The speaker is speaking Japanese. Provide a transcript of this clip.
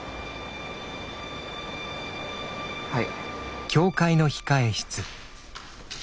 はい。